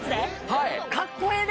はい！